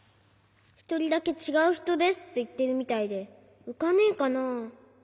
ひとりだけちがうひとですっていってるみたいでうかねえかな？